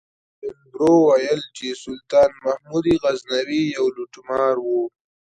ایلن برو ویل چې سلطان محمود غزنوي یو لوټمار و.